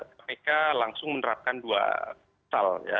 kpk langsung menerapkan dua pasal ya